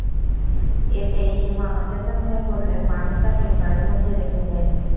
এতে ইমা অচেতন হয়ে পড়লে মারুফ তাঁকে ঘরের মধ্যে রেখে দেন।